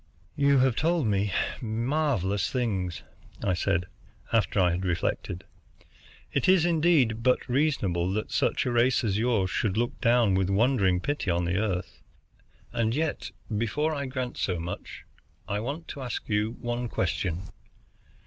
"You have told me marvelous things," I said, after I had reflected. "It is, indeed, but reasonable that such a race as yours should look down with wondering pity on the Earth. And yet, before I grant so much, I want to ask you one question.